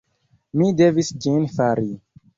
Mi devis ĝin fari.